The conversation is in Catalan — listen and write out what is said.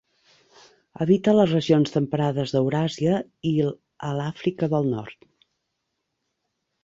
Habita les regions temperades d'Euràsia i a l'Àfrica del Nord.